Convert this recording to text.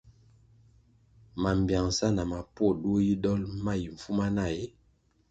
Mambpiangsa na mapuo duo yi dol ma yi mfumana ee ?